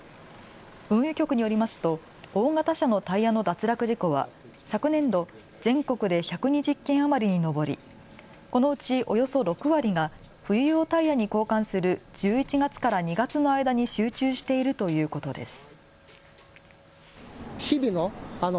運輸局によりますと大型車のタイヤの脱落事故は昨年度、全国で１２０件余りに上りこのうちおよそ６割が冬用タイヤに交換する１１月から２月の間に集中しているということです。